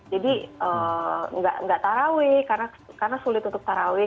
jadi gak tarawih karena sulit untuk tarawih